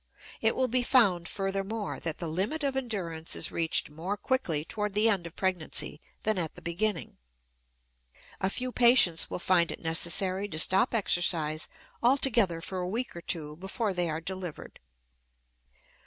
It will be found, furthermore, that the limit of endurance is reached more quickly toward the end of pregnancy than at the beginning; a few patients will find it necessary to stop exercise altogether for a week or two before they are delivered.